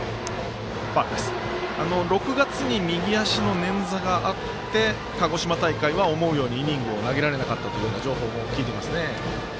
６月に右足の捻挫があって鹿児島大会は思うようにイニング投げられなかったという情報も聞いていますね。